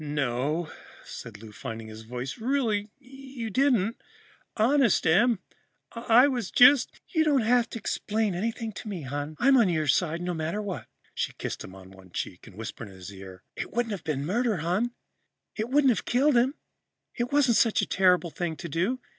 "No," said Lou, finding his voice, "really you didn't. Honest, Em, I was just " "You don't have to explain anything to me, hon. I'm on your side, no matter what." She kissed him on one cheek and whispered in his ear, "It wouldn't have been murder, hon. It wouldn't have killed him. It wasn't such a terrible thing to do.